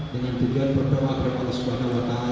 dengan tujuan berdoa kepada sebuah kemurtaan